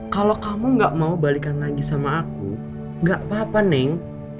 kalau kamu gak mau balikan lagi sama aku gak apa apa neng